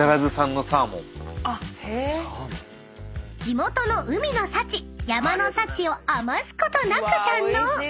［地元の海の幸山の幸を余すことなく堪能］